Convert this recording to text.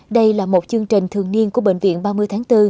đây là một chương trình thường niên của bệnh viện ba mươi tháng bốn